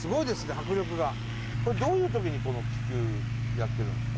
迫力がこれどういうときにこの気球やってるんですか？